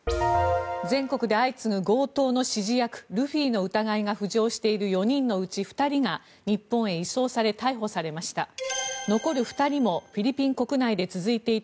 全国で相次ぐ強盗の指示役ルフィの疑いが浮上している４人のうち２人が日本へ移送され逮捕されました。